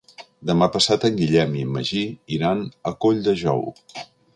Demà passat en Guillem i en Magí iran a Colldejou.